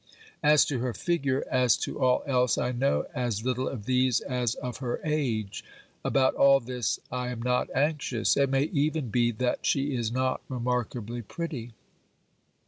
... As to her figure, as to all else, I know as little of these as of her age ; about all this I am not anxious ; it may even be that she is not remarkably pretty.